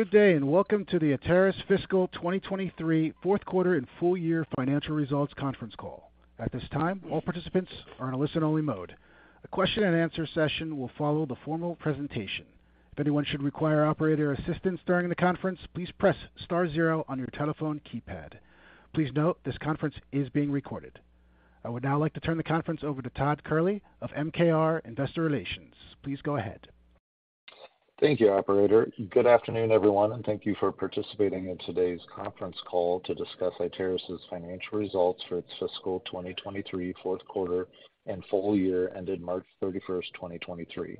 Good day, and welcome to the Iteris Fiscal 2023, fourth quarter and full year financial results conference call. At this time, all participants are on a listen-only mode. A Q&A session will follow the formal presentation. If anyone should require operator assistance during the conference, please press star zero on your telephone keypad. Please note, this conference is being recorded. I would now like to turn the conference over to Todd Kehrli of MKR Investor Relations. Please go ahead. Thank you, operator. Good afternoon, everyone, and thank you for participating in today's conference call to discuss Iteris' financial results for its fiscal 2023, 4th quarter, and full year, ended March 31st, 2023.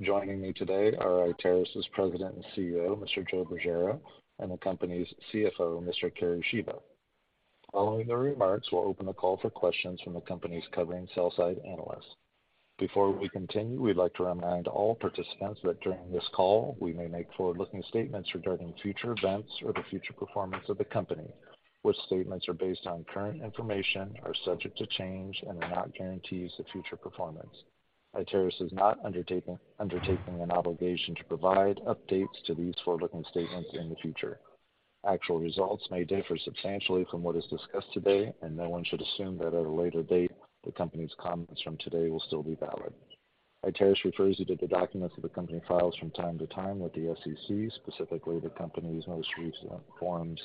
Joining me today are Iteris' President and CEO, Mr. Joe Bergera, and the company's CFO, Mr. Kerry Shiba. Following the remarks, we'll open the call for questions from the company's covering sell-side analysts. Before we continue, we'd like to remind all participants that during this call we may make forward-looking statements regarding future events or the future performance of the company, which statements are based on current information, are subject to change, and are not guarantees of future performance. Iteris is not undertaking an obligation to provide updates to these forward-looking statements in the future. Actual results may differ substantially from what is discussed today, and no one should assume that at a later date, the company's comments from today will still be valid. Iteris refers you to the documents that the company files from time to time with the SEC, specifically the company's most recent forms,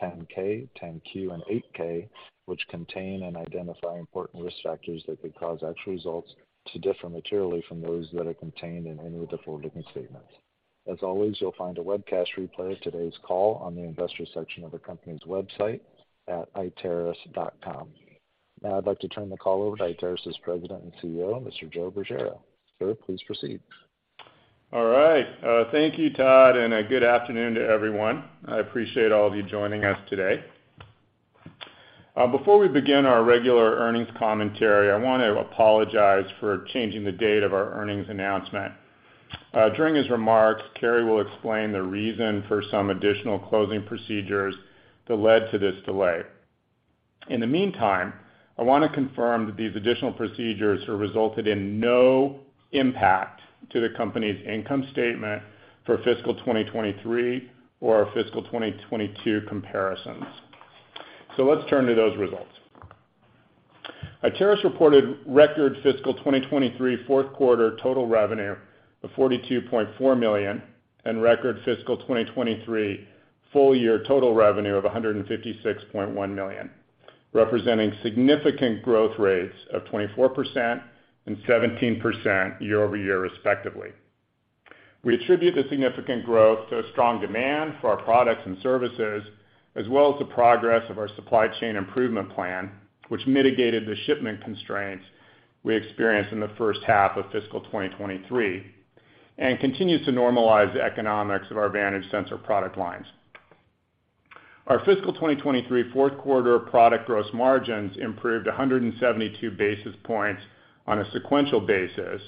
10-K, 10-Q, and 8-K, which contain and identify important risk factors that could cause actual results to differ materially from those that are contained in any of the forward-looking statements. As always, you'll find a webcast replay of today's call on the investor section of the company's website at iteris.com. Now I'd like to turn the call over to Iteris's President and CEO, Mr. Joe Bergera. Sir, please proceed. All right. Thank you, Todd, good afternoon to everyone. I appreciate all of you joining us today. Before we begin our regular earnings commentary, I want to apologize for changing the date of our earnings announcement. During his remarks, Kerry will explain the reason for some additional closing procedures that led to this delay. In the meantime, I want to confirm that these additional procedures have resulted in no impact to the company's income statement for fiscal 2023 or our fiscal 2022 comparisons. Let's turn to those results. Iteris reported record fiscal 2023, fourth quarter total revenue of $42.4 million, and record fiscal 2023 full year total revenue of $156.1 million, representing significant growth rates of 24% and 17% year-over-year, respectively. We attribute the significant growth to a strong demand for our products and services, as well as the progress of our supply chain improvement plan, which mitigated the shipment constraints we experienced in the first half of fiscal 2023, and continues to normalize the economics of our Vantage sensor product lines. Our fiscal 2023, fourth quarter product gross margins improved 172 basis points on a sequential basis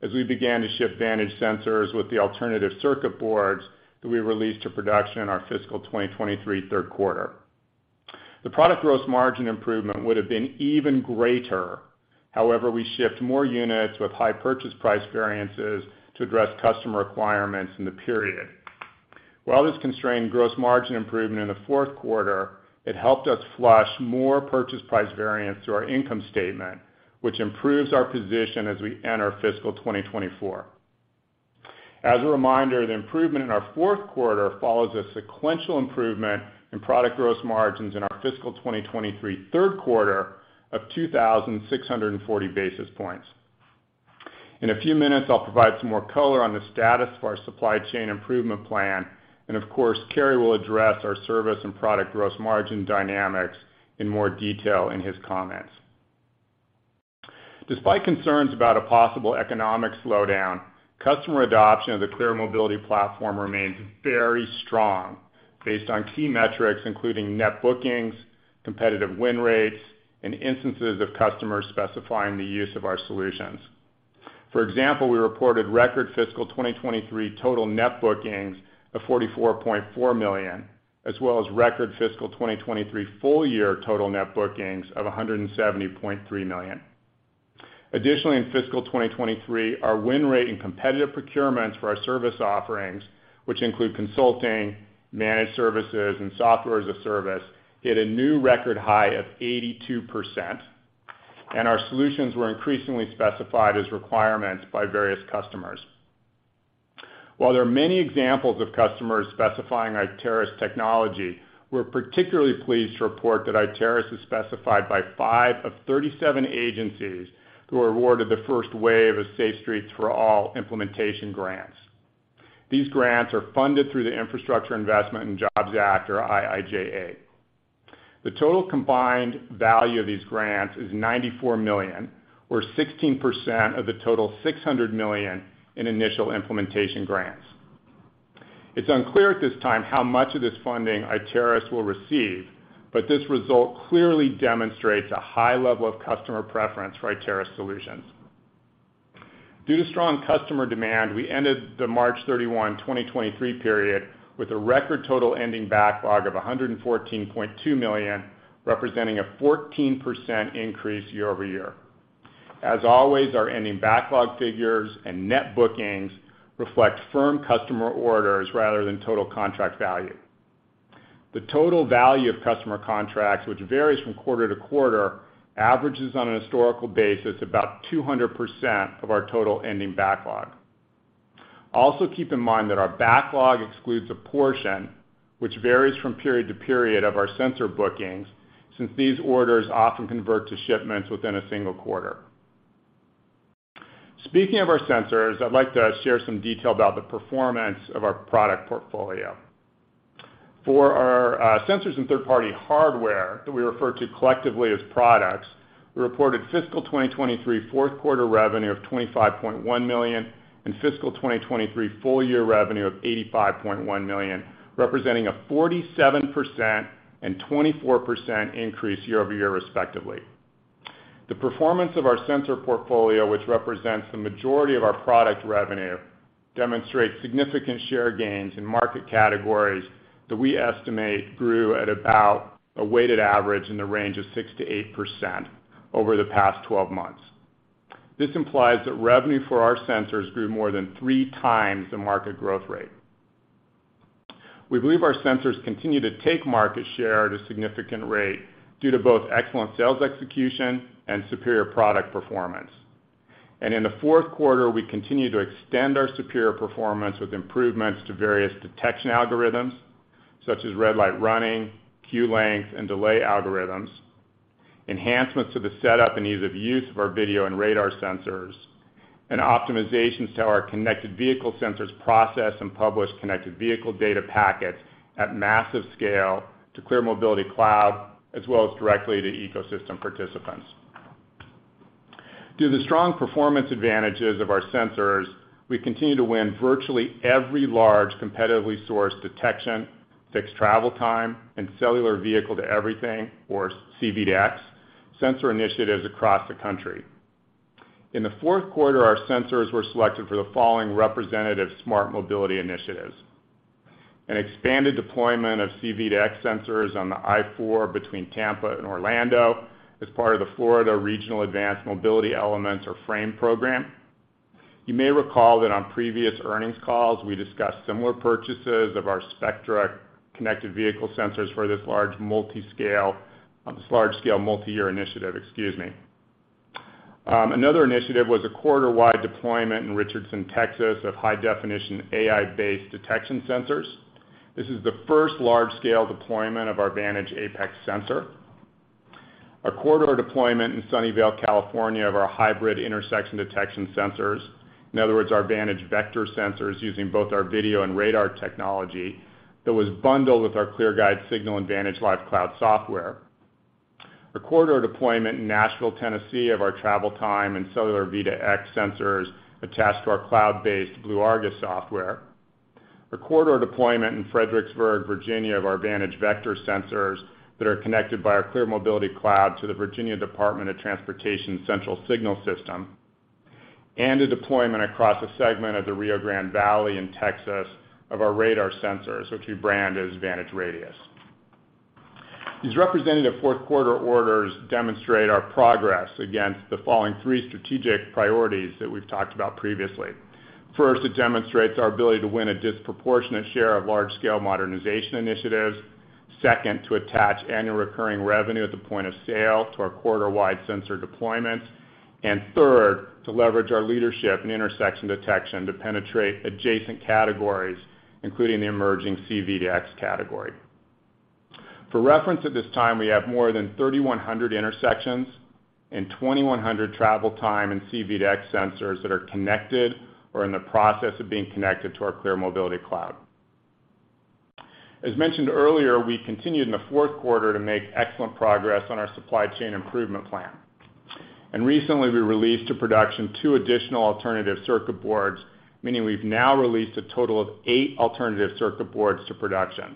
as we began to ship Vantage sensors with the alternative circuit boards that we released to production in our fiscal 2023, third quarter. The product gross margin improvement would have been even greater, however, we shipped more units with high purchase price variances to address customer requirements in the period. While this constrained gross margin improvement in the fourth quarter, it helped us flush more purchase price variance through our income statement, which improves our position as we enter fiscal 2024. As a reminder, the improvement in our fourth quarter follows a sequential improvement in product gross margins in our fiscal 2023 third quarter of 2,640 basis points. In a few minutes, I'll provide some more color on the status of our supply chain improvement plan, and of course, Kerry will address our service and product gross margin dynamics in more detail in his comments. Despite concerns about a possible economic slowdown, customer adoption of the ClearMobility Platform remains very strong, based on key metrics including net bookings, competitive win rates, and instances of customers specifying the use of our solutions. For example, we reported record fiscal 2023 total net bookings of $44.4 million as well as record fiscal 2023 full year total net bookings of $170.3 million. In fiscal 2023, our win rate in competitive procurements for our service offerings, which include consulting, managed services, and software as a service, hit a new record high of 82%, and our solutions were increasingly specified as requirements by various customers. There are many examples of customers specifying Iteris technology, we're particularly pleased to report that Iteris is specified by five of 37 agencies who were awarded the first wave of Safe Streets and Roads for All implementation grants. These grants are funded through the Infrastructure Investment and Jobs Act, or IIJA. The total combined value of these grants is $94 million, or 16% of the total $600 million in initial implementation grants. It's unclear at this time how much of this funding Iteris will receive, but this result clearly demonstrates a high level of customer preference for Iteris solutions. Due to strong customer demand we ended the March 31, 2023 period with a record total ending backlog of $114.2 million, representing a 14% increase year-over-year. As always, our ending backlog figures and net bookings reflect firm customer orders rather than total contract value. The total value of customer contracts, which varies from quarter-to-quarter, averages on a historical basis about 200% of our total ending backlog. Keep in mind that our backlog excludes a portion which varies from period to period of our sensor bookings, since these orders often convert to shipments within a single quarter. Speaking of our sensors, I'd like to share some detail about the performance of our product portfolio. For our sensors and third-party hardware that we refer to collectively as products, we reported fiscal 2023 fourth quarter revenue of $25.1 million and fiscal 2023 full year revenue of $85.1 million, representing a 47% and 24% increase year-over-year, respectively. The performance of our sensor portfolio, which represents the majority of our product revenue, demonstrates significant share gains in market categories that we estimate grew at about a weighted average in the range of 6%-8% over the past 12 months. This implies that revenue for our sensors grew more than 3x the market growth rate. We believe our sensors continue to take market share at a significant rate due to both excellent sales execution and superior product performance. In the fourth quarter, we continued to extend our superior performance with improvements to various detection algorithms, such as red light running, queue length, and delay algorithms, enhancements to the setup and ease of use of our video and radar sensors, and optimizations to our connected vehicle sensors process and publish connected vehicle data packets at massive scale to ClearMobility Cloud, as well as directly to ecosystem participants. Due to the strong performance advantages of our sensors, we continue to win virtually every large, competitively sourced detection, fixed travel time, and cellular vehicle to everything, or CV2X, sensor initiatives across the country. In the fourth quarter, our sensors were selected for the following representative smart mobility initiatives: An expanded deployment of CV2X sensors on the I-4 between Tampa and Orlando as part of the Florida Regional Advanced Mobility Elements, or FRAME program. You may recall that on previous earnings calls, we discussed similar purchases of our Spectra connected vehicle sensors for this large-scale, multi-year initiative, excuse me. Another initiative was a quarter-wide deployment in Richardson, Texas, of high-definition, AI-based detection sensors. This is the first large-scale deployment of our Vantage Apex sensor. A corridor deployment in Sunnyvale, California, of our hybrid intersection detection sensors. In other words, our Vantage Vector sensors, using both our video and radar technology, that was bundled with our ClearGuide Signals and VantageLive! cloud software. A corridor deployment in Nashville, Tennessee, of our travel time and cellular V2X sensors attached to our cloud-based BlueARGUS software. A corridor deployment in Fredericksburg, Virginia, of our Vantage Vector sensors that are connected by our ClearMobility Cloud to the Virginia Department of Transportation Central Signal system. A deployment across a segment of the Rio Grande Valley in Texas of our radar sensors, which we brand as VantageRadius. These representative fourth quarter orders demonstrate our progress against the following three strategic priorities that we've talked about previously. First, it demonstrates our ability to win a disproportionate share of large-scale modernization initiatives. Second, to attach annual recurring revenue at the point of sale to our quarter-wide sensor deployments. Third, to leverage our leadership in intersection detection to penetrate adjacent categories, including the emerging CV2X category. For reference, at this time we have more than 3,100 intersections and 2,100 travel time and C-V2X sensors that are connected or in the process of being connected to our ClearMobility Cloud. As mentioned earlier, we continued in the fourth quarter to make excellent progress on our supply chain improvement plan. Recently, we released to production two additional alternative circuit boards, meaning we've now released a total of eight alternative circuit boards to production.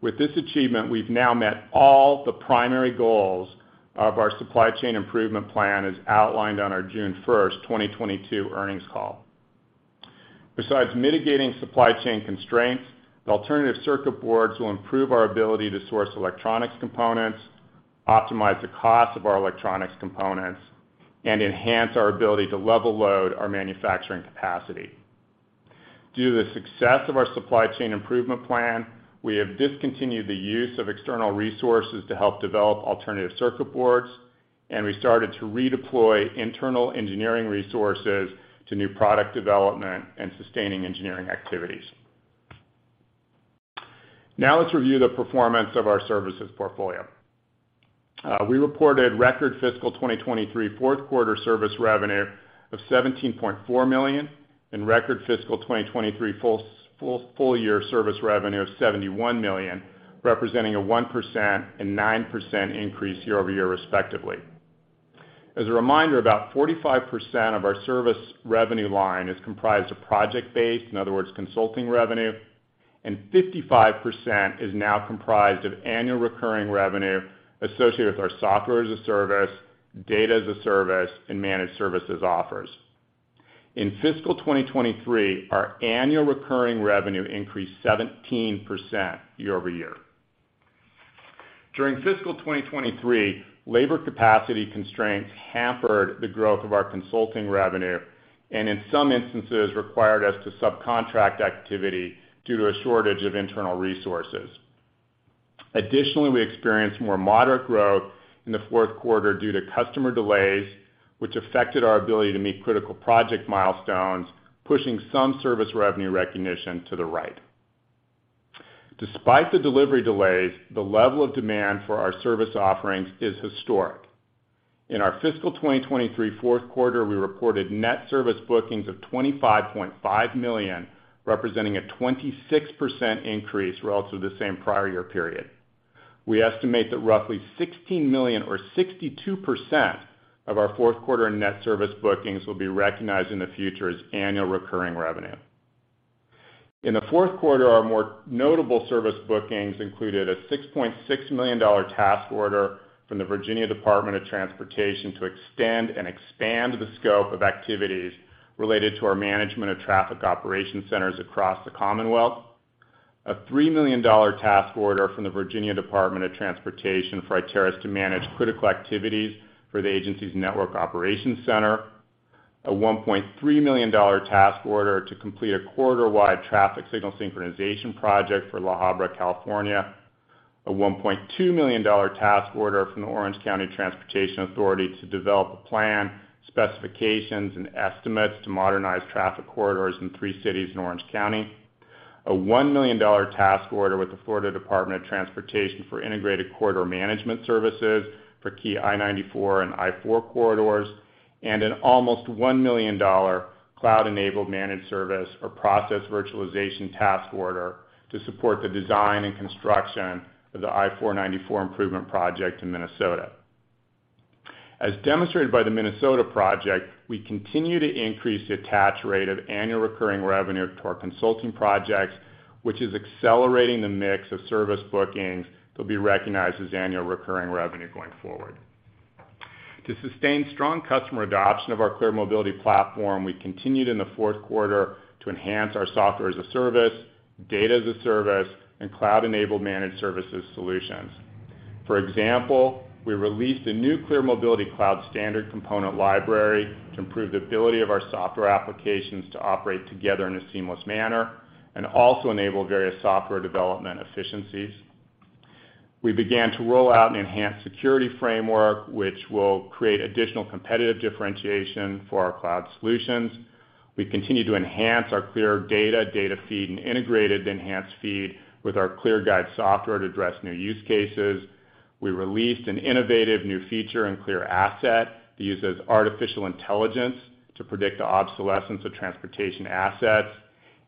With this achievement, we've now met all the primary goals of our supply chain improvement plan, as outlined on our June 1st, 2022 earnings call. Besides mitigating supply chain constraints, the alternative circuit boards will improve our ability to source electronics components, optimize the cost of our electronics components, and enhance our ability to level load our manufacturing capacity. Due to the success of our supply chain improvement plan, we have discontinued the use of external resources to help develop alternative circuit boards, and we started to redeploy internal engineering resources to new product development and sustaining engineering activities. Now, let's review the performance of our services portfolio. We reported record fiscal 2023 fourth quarter service revenue of $17.4 million and record fiscal 2023 full year service revenue of $71 million, representing a 1% and 9% increase year-over-year, respectively. As a reminder, about 45% of our service revenue line is comprised of project-based, in other words, consulting revenue, and 55% is now comprised of annual recurring revenue associated with our software as a service, data as a service, and managed services offers. In fiscal 2023, our annual recurring revenue increased 17% year-over-year. During fiscal 2023, labor capacity constraints hampered the growth of our consulting revenue, and in some instances, required us to subcontract activity due to a shortage of internal resources. Additionally, we experienced more moderate growth in the fourth quarter due to customer delays, which affected our ability to meet critical project milestones, pushing some service revenue recognition to the right. Despite the delivery delays, the level of demand for our service offerings is historic. In our fiscal 2023 fourth quarter, we reported net service bookings of $25.5 million, representing a 26% increase relative to the same prior year period. We estimate that roughly $16 million or 62% of our fourth quarter net service bookings will be recognized in the future as annual recurring revenue. In the fourth quarter, our more notable service bookings included a $6.6 million task order from the Virginia Department of Transportation to extend and expand the scope of activities related to our management of traffic operation centers across the Commonwealth, a $3 million task order from the Virginia Department of Transportation for Iteris to manage critical activities for the agency's network operations center, a $1.3 million task order to complete a corridor-wide traffic signal synchronization project for La Habra, California, a $1.2 million task order from the Orange County Transportation Authority to develop a plan, specifications, and estimates to modernize traffic corridors in three cities in Orange County, a $1 million task order with the Florida Department of Transportation for integrated corridor management services for key I-94 and I-4 corridors, and an almost $1 million cloud-enabled managed service or process virtualization task order to support the design and construction of the I-494 improvement project in Minnesota. As demonstrated by the Minnesota project, we continue to increase the attach rate of annual recurring revenue to our consulting projects, which is accelerating the mix of service bookings that will be recognized as annual recurring revenue going forward. To sustain strong customer adoption of our ClearMobility Platform, we continued in the fourth quarter to enhance our software as a service, data as a service, and cloud-enabled managed services solutions. For example, we released a new ClearMobility Cloud standard component library to improve the ability of our software applications to operate together in a seamless manner and also enable various software development efficiencies. We began to roll out an enhanced security framework, which will create additional competitive differentiation for our cloud solutions. We continued to enhance our ClearData, Data Feed, and Integrated Enhanced Feed with our ClearGuide software to address new use cases. We released an innovative new feature in ClearAsset that uses artificial intelligence to predict the obsolescence of transportation assets,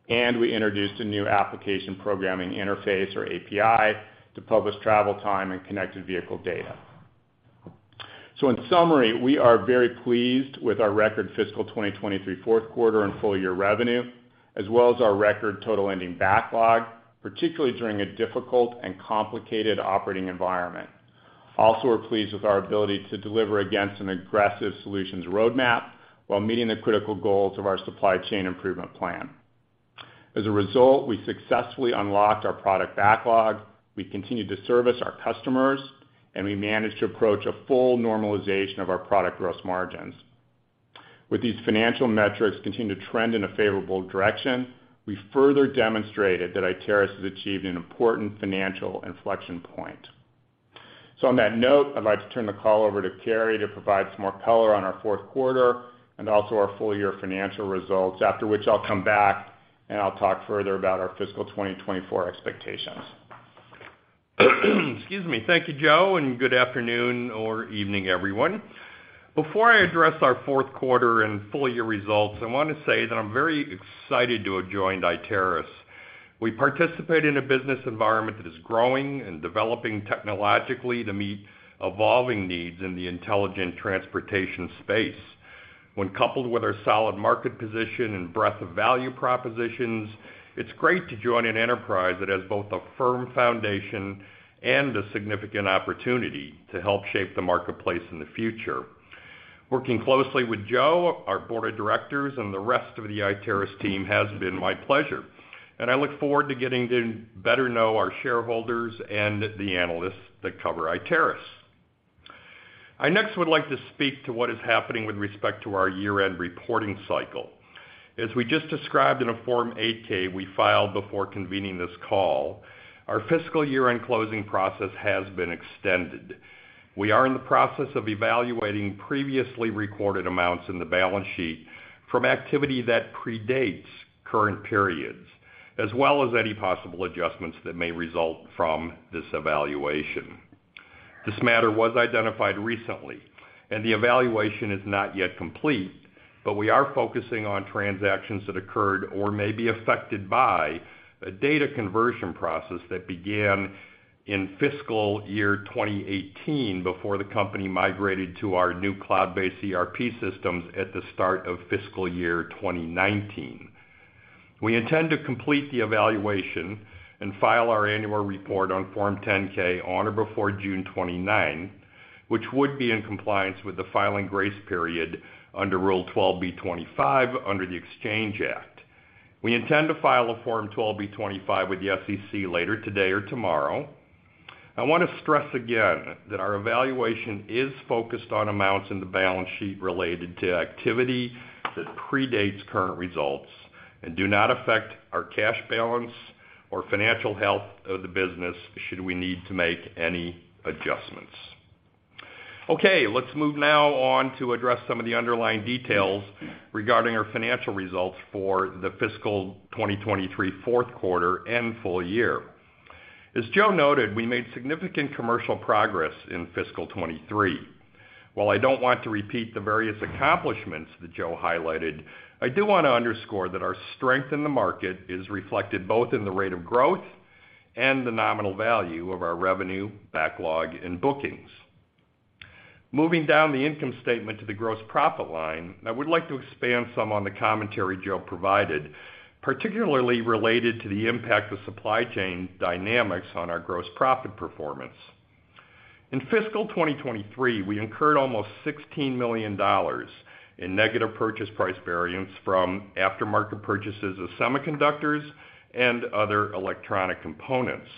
we introduced a new application programming interface, or API, to publish travel time and connected vehicle data. In summary, we are very pleased with our record fiscal 2023 fourth quarter and full-year revenue, as well as our record total ending backlog, particularly during a difficult and complicated operating environment. Also, we're pleased with our ability to deliver against an aggressive solutions roadmap while meeting the critical goals of our supply chain improvement plan. As a result, we successfully unlocked our product backlog, we continued to service our customers, we managed to approach a full normalization of our product gross margins. With these financial metrics continuing to trend in a favorable direction, we further demonstrated that Iteris has achieved an important financial inflection point. On that note, I'd like to turn the call over to Kerry to provide some more color on our fourth quarter and also our full-year financial results, after which I'll come back and I'll talk further about our fiscal 2024 expectations. Excuse me. Thank you, Joe. Good afternoon or evening, everyone. Before I address our fourth quarter and full-year results, I want to say that I'm very excited to have joined Iteris. We participate in a business environment that is growing and developing technologically to meet evolving needs in the intelligent transportation space. When coupled with our solid market position and breadth of value propositions, it's great to join an enterprise that has both a firm foundation and a significant opportunity to help shape the marketplace in the future. Working closely with Joe, our board of directors, and the rest of the Iteris team has been my pleasure, and I look forward to getting to better know our shareholders and the analysts that cover Iteris. I next would like to speak to what is happening with respect to our year-end reporting cycle. As we just described in a Form 8-K we filed before convening this call, our fiscal year-end closing process has been extended. We are in the process of evaluating previously recorded amounts in the balance sheet from activity that predates current periods, as well as any possible adjustments that may result from this evaluation. This matter was identified recently, and the evaluation is not yet complete, but we are focusing on transactions that occurred or may be affected by a data conversion process that began in fiscal year 2018 before the company migrated to our new cloud-based ERP systems at the start of fiscal year 2019. We intend to complete the evaluation and file our annual report on Form 10-K on or before June 29, which would be in compliance with the filing grace period under Rule 12b-25 under the Exchange Act. We intend to file a Form 12b-25 with the SEC later today or tomorrow. I want to stress again that our evaluation is focused on amounts in the balance sheet related to activity that predates current results and do not affect our cash balance or financial health of the business, should we need to make any adjustments. Okay, let's move now on to address some of the underlying details regarding our financial results for the fiscal 2023 fourth quarter and full year. As Joe noted, we made significant commercial progress in fiscal 2023. While I don't want to repeat the various accomplishments that Joe highlighted, I do want to underscore that our strength in the market is reflected both in the rate of growth and the nominal value of our revenue, backlog, and bookings. Moving down the income statement to the gross profit line, I would like to expand some on the commentary Joe provided, particularly related to the impact of supply chain dynamics on our gross profit performance. In fiscal 2023, we incurred almost $16 million in negative purchase price variance from aftermarket purchases of semiconductors and other electronic components.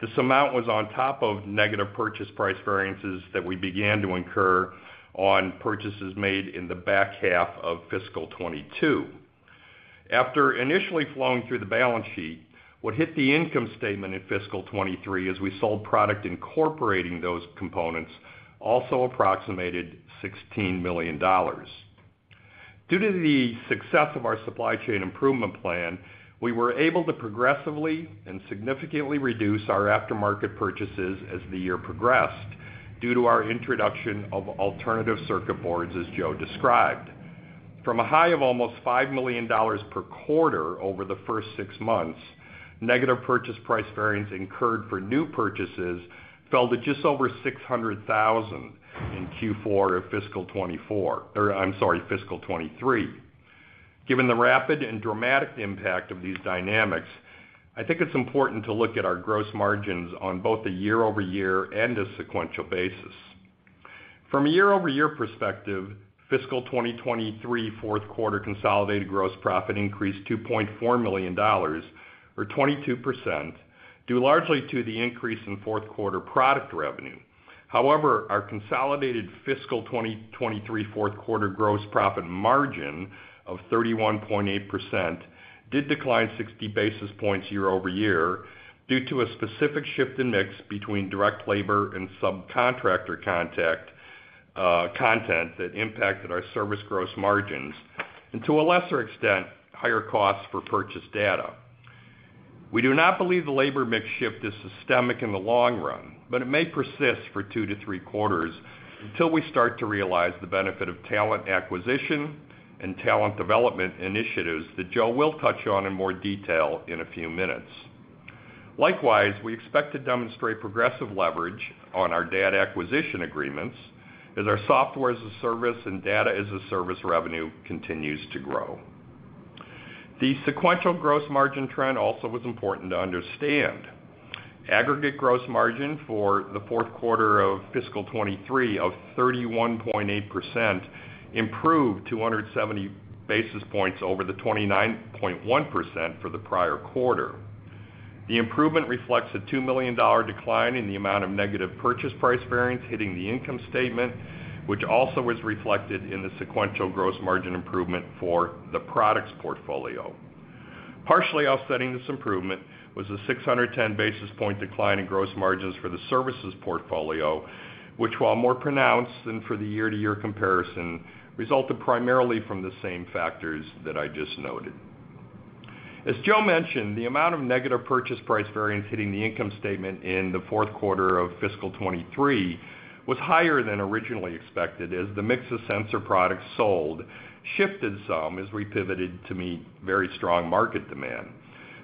This amount was on top of negative purchase price variances that we began to incur on purchases made in the back half of fiscal 2022. After initially flowing through the balance sheet, what hit the income statement in fiscal 2023 as we sold product incorporating those components, also approximated $16 million. Due to the success of our supply chain improvement plan, we were able to progressively and significantly reduce our aftermarket purchases as the year progressed, due to our introduction of alternative circuit boards, as Joe described. From a high of almost $5 million per quarter over the first six months, negative purchase price variance incurred for new purchases fell to just over $600,000 in Q4 of fiscal 2024, or I'm sorry, fiscal 2023. Given the rapid and dramatic impact of these dynamics, I think it's important to look at our gross margins on both a year-over-year and a sequential basis. From a year-over-year perspective, fiscal 2023 fourth quarter consolidated gross profit increased $2.4 million or 22%, due largely to the increase in fourth quarter product revenue. Our consolidated fiscal 2023 fourth quarter gross profit margin of 31.8% did decline 60 basis points year-over-year, due to a specific shift in mix between direct labor and subcontractor contact, content that impacted our service gross margins and, to a lesser extent, higher costs for purchase data. We do not believe the labor mix shift is systemic in the long run, but it may persist for two to three quarters until we start to realize the benefit of talent acquisition and talent development initiatives that Joe will touch on in more detail in a few minutes. Likewise, we expect to demonstrate progressive leverage on our data acquisition agreements as our Software as a Service and Data as a Service revenue continues to grow. The sequential gross margin trend also was important to understand. Aggregate gross margin for the fourth quarter of fiscal 2023 of 31.8% improved 270 basis points over the 29.1% for the prior quarter. The improvement reflects a $2 million decline in the amount of negative purchase price variance hitting the income statement, which also was reflected in the sequential gross margin improvement for the products portfolio. Partially offsetting this improvement was a 610 basis point decline in gross margins for the services portfolio, which, while more pronounced than for the year-to-year comparison, resulted primarily from the same factors that I just noted. As Joe mentioned, the amount of negative purchase price variance hitting the income statement in the fourth quarter of fiscal 2023 was higher than originally expected, as the mix of sensor products sold shifted some as we pivoted to meet very strong market demand.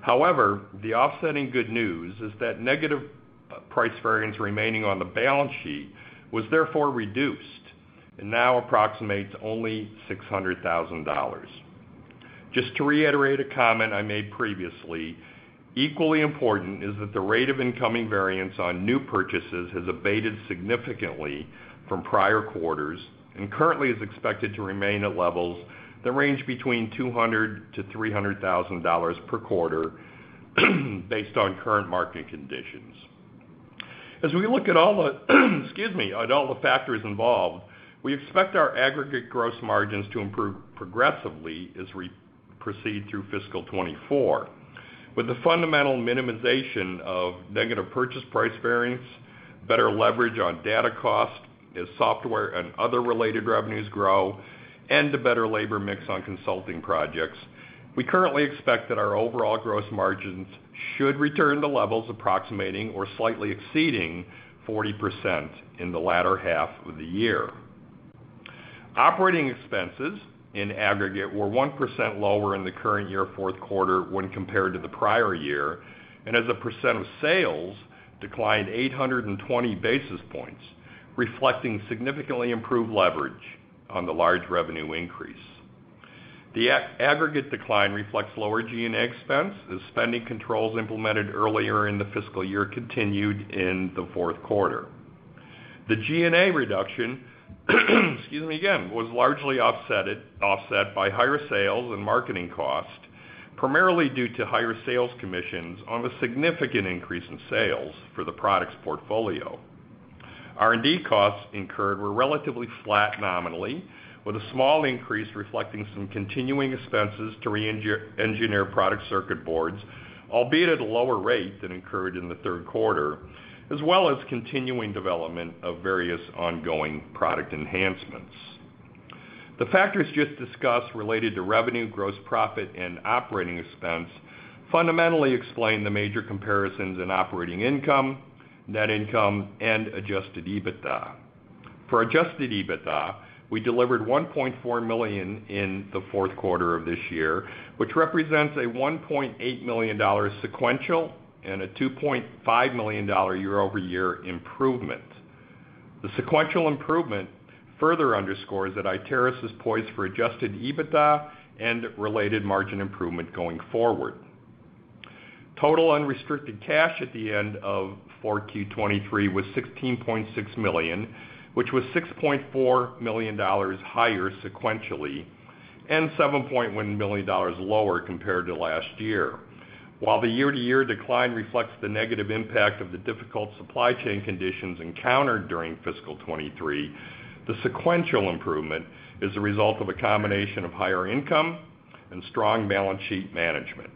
However, the offsetting good news is that negative price variance remaining on the balance sheet was therefore reduced and now approximates only $600,000. Just to reiterate a comment I made previously, equally important is that the rate of incoming variance on new purchases has abated significantly from prior quarters and currently is expected to remain at levels that range between $200,000-$300,000 per quarter, based on current market conditions. As we look at all the factors involved, we expect our aggregate gross margins to improve progressively as we proceed through fiscal 2024. With the fundamental minimization of negative purchase price variance, better leverage on data cost as software and other related revenues grow, and a better labor mix on consulting projects, we currently expect that our overall gross margins should return to levels approximating or slightly exceeding 40% in the latter half of the year. Operating expenses in aggregate were 1% lower in the current year fourth quarter when compared to the prior year, and as a percent of sales, declined 820 basis points, reflecting significantly improved leverage on the large revenue increase. The aggregate decline reflects lower G&A expense, as spending controls implemented earlier in the fiscal year continued in the fourth quarter. The G&A reduction, excuse me again, was largely offset by higher sales and marketing costs, primarily due to higher sales commissions on the significant increase in sales for the products portfolio. R&D costs incurred were relatively flat nominally, with a small increase reflecting some continuing expenses to re-engineer product circuit boards, albeit at a lower rate than incurred in the third quarter, as well as continuing development of various ongoing product enhancements. The factors just discussed related to revenue, gross profit, and operating expense fundamentally explain the major comparisons in operating income, net income, and adjusted EBITDA. For adjusted EBITDA, we delivered $1.4 million in the fourth quarter of this year, which represents a $1.8 million sequential and a $2.5 million year-over-year improvement. The sequential improvement further underscores that Iteris is poised for adjusted EBITDA and related margin improvement going forward. Total unrestricted cash at the end of Q4 2023 was $16.6 million, which was $6.4 million higher sequentially. Seven point one million dollars lower compared to last year. While the year-over-year decline reflects the negative impact of the difficult supply chain conditions encountered during fiscal 2023, the sequential improvement is a result of a combination of higher income and strong balance sheet management.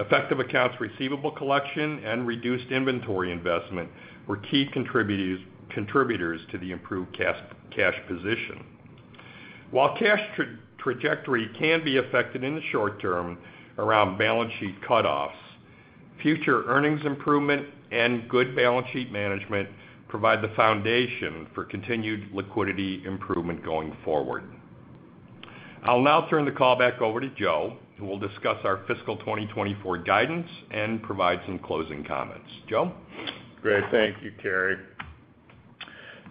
Effective accounts receivable collection and reduced inventory investment were key contributors to the improved cash position. While trajectory can be affected in the short term around balance sheet cutoffs, future earnings improvement and good balance sheet management provide the foundation for continued liquidity improvement going forward. I'll now turn the call back over to Joe, who will discuss our fiscal 2024 guidance and provide some closing comments. Joe? Great. Thank you, Kerry.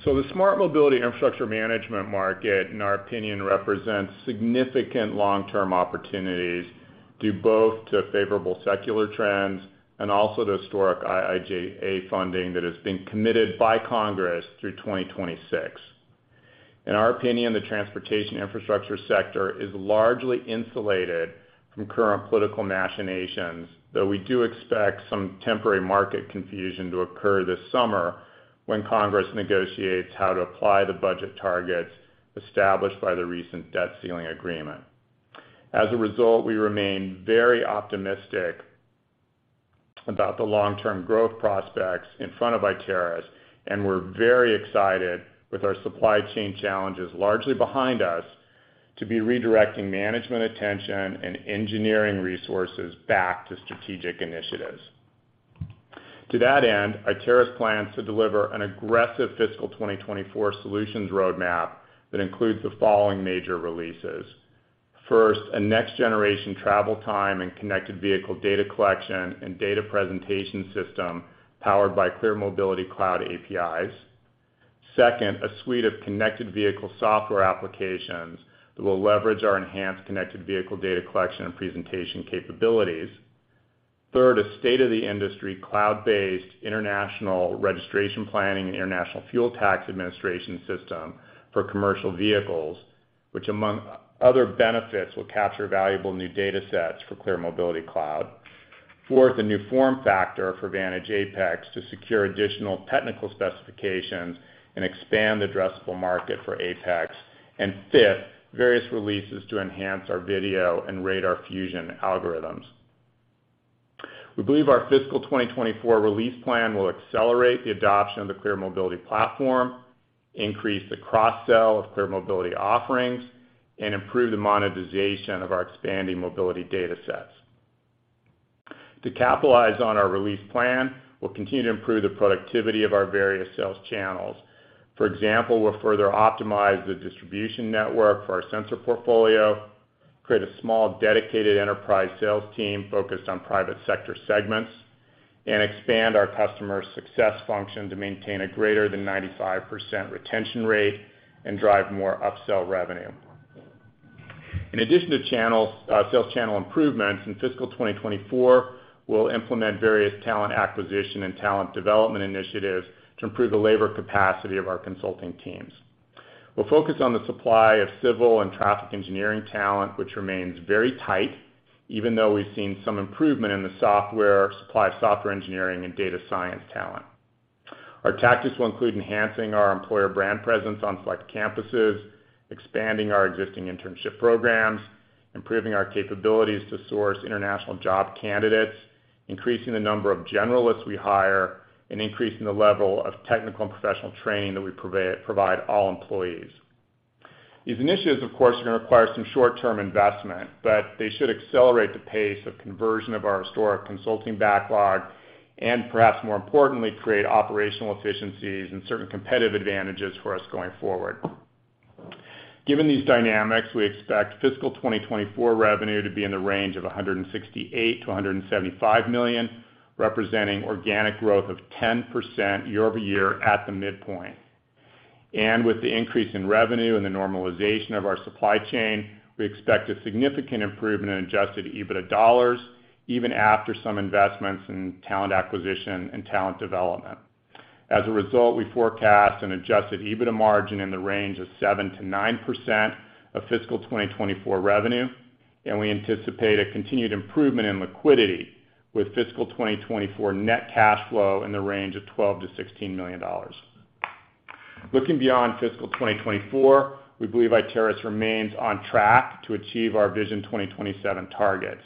The smart mobility infrastructure management market, in our opinion, represents significant long-term opportunities, due both to favorable secular trends and also the historic IIJA funding that has been committed by Congress through 2026. In our opinion, the transportation infrastructure sector is largely insulated from current political machinations, though we do expect some temporary market confusion to occur this summer when Congress negotiates how to apply the budget targets established by the recent debt ceiling agreement. We remain very optimistic about the long-term growth prospects in front of Iteris, and we're very excited, with our supply chain challenges largely behind us, to be redirecting management attention and engineering resources back to strategic initiatives. To that end, Iteris plans to deliver an aggressive fiscal 2024 solutions roadmap that includes the following major releases: First, a next-generation travel time and connected vehicle data collection and data presentation system powered by Clear Mobility Cloud APIs. Second, a suite of connected vehicle software applications that will leverage our enhanced connected vehicle data collection and presentation capabilities. Third, a state-of-the-industry, cloud-based international registration planning and international fuel tax administration system for commercial vehicles, which, among other benefits, will capture valuable new data sets for Clear Mobility Cloud. Fourth, a new form factor for Vantage Apex to secure additional technical specifications and expand the addressable market for Apex. Fifth, various releases to enhance our video and radar fusion algorithms. We believe our fiscal 2024 release plan will accelerate the adoption of the ClearMobility Platform, increase the cross-sell of ClearMobility offerings, and improve the monetization of our expanding mobility data sets. To capitalize on our release plan, we'll continue to improve the productivity of our various sales channels. For example, we'll further optimize the distribution network for our sensor portfolio, create a small, dedicated enterprise sales team focused on private sector segments, and expand our customer success function to maintain a greater than 95% retention rate and drive more upsell revenue. In addition to channels, sales channel improvements, in fiscal 2024, we'll implement various talent acquisition and talent development initiatives to improve the labor capacity of our consulting teams. We'll focus on the supply of civil and traffic engineering talent, which remains very tight, even though we've seen some improvement in the software-- supply of software engineering and data science talent. Our tactics will include enhancing our employer brand presence on select campuses, expanding our existing internship programs, improving our capabilities to source international job candidates, increasing the number of generalists we hire, and increasing the level of technical and professional training that we provide all employees. These initiatives, of course, are going to require some short-term investment, but they should accelerate the pace of conversion of our historic consulting backlog, and perhaps more importantly, create operational efficiencies and certain competitive advantages for us going forward. Given these dynamics, we expect fiscal 2024 revenue to be in the range of $168 million-$175 million, representing organic growth of 10% year-over-year at the midpoint. With the increase in revenue and the normalization of our supply chain, we expect a significant improvement in adjusted EBITDA dollars, even after some investments in talent acquisition and talent development. As a result, we forecast an adjusted EBITDA margin in the range of 7%-9% of fiscal 2024 revenue, and we anticipate a continued improvement in liquidity with fiscal 2024 net cash flow in the range of $12 million-$16 million. Looking beyond fiscal 2024, we believe Iteris remains on track to achieve our Vision 2027 targets.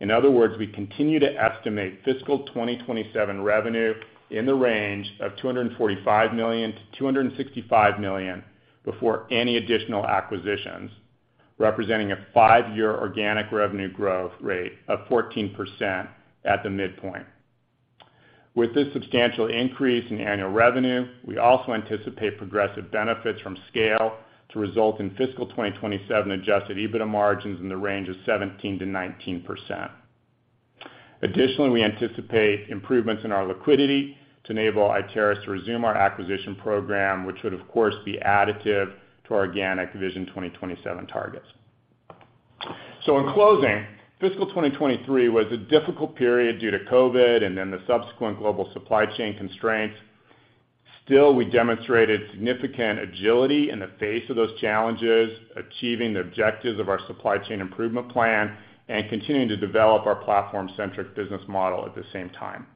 In other words, we continue to estimate fiscal 2027 revenue in the range of $245 million-$265 million before any additional acquisitions, representing a five-year organic revenue growth rate of 14% at the midpoint. With this substantial increase in annual revenue, we also anticipate progressive benefits from scale to result in fiscal 2027 adjusted EBITDA margins in the range of 17%-19%. Additionally, we anticipate improvements in our liquidity to enable Iteris to resume our acquisition program, which would, of course, be additive to our organic Vision 2027 targets. In closing, fiscal 2023 was a difficult period due to COVID and then the subsequent global supply chain constraints. We demonstrated significant agility in the face of those challenges, achieving the objectives of our supply chain improvement plan and continuing to develop our platform-centric business model at the same time.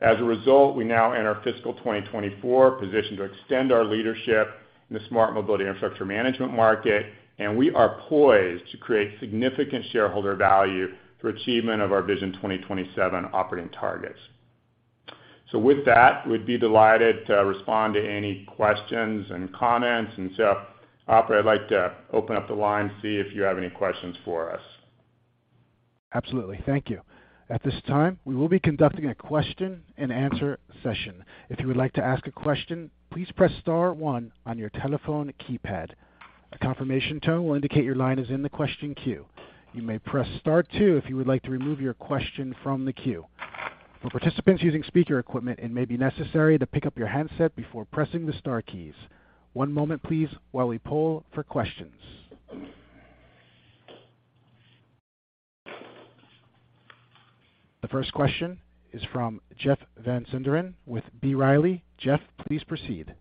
As a result, we now enter fiscal 2024, positioned to extend our leadership in the smart mobility infrastructure management market, and we are poised to create significant shareholder value through achievement of our Vision 2027 operating targets. With that, we'd be delighted to respond to any questions and comments. Operator, I'd like to open up the line, see if you have any questions for us. Absolutely. Thank you. At this time, we will be conducting a question-and-answer session. If you would like to ask a question, please press star one on your telephone keypad. A confirmation tone will indicate your line is in the question queue. You may press Star two if you would like to remove your question from the queue. For participants using speaker equipment, it may be necessary to pick up your handset before pressing the star keys. One moment, please, while we poll for questions. The first question is from Jeff Van Sinderen with B. Riley. Jeff, please proceed.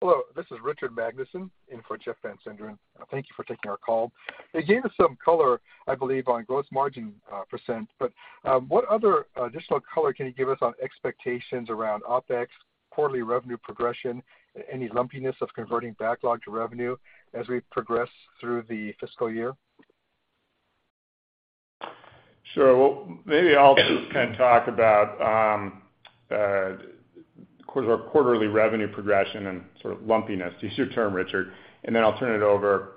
Hello, this is Richard Magnusen in for Jeff Van Sinderen. Thank you for taking our call. You gave us some color, I believe, on gross margin percent, but what other additional color can you give us on expectations around OpEx, quarterly revenue progression, any lumpiness of converting backlog to revenue as we progress through the fiscal year? Maybe I'll just kind of talk about quarterly revenue progression and sort of lumpiness. It's your term, Richard, and then I'll turn it over,